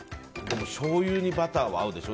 しょうゆにバターは合うでしょ。